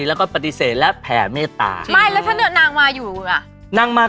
แล้วก็ปฏิเสธุลักษณ์